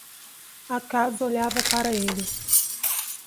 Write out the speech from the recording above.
A casa olhava para ele.